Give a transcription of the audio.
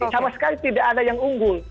sama sekali tidak ada yang unggul